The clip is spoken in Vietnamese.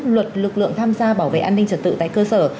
luật lực lượng tham gia bảo vệ an ninh trật tự tại cơ sở